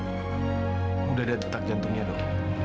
udah ada detak jantungnya dong